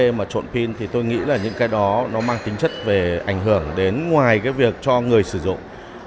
khi mà trộn pin thì tôi nghĩ là những cái đó nó mang tính chất về ảnh hưởng đến ngoài cái việc cho người sử dụng